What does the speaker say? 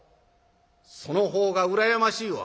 その方が羨ましいわ」。